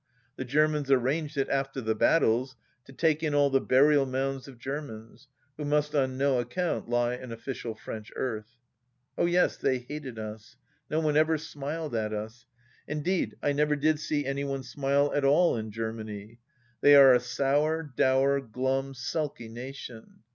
The Germans arranged it, after the battles, to take in all the burial mounds of Ger mans, who must on no account lie in official French earth. ... Oh yes, they hated us. No one ever smiled at us. In deed, I never did see any one smile at all in Germany. They are a sour, dour, glum, sulky nation.